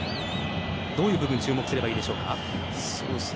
どういう部分に注目すればいいでしょうか？